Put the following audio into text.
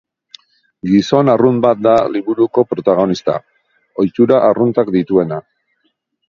Gizon arrunt bat da liburuko protagonista, ohitura arruntak dituena.